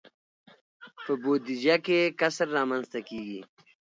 په بودجه کې کسر رامنځته کیږي.